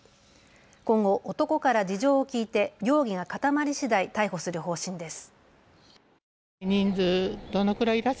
今後、男から事情を聴いて容疑が固まりしだい逮捕する方針です。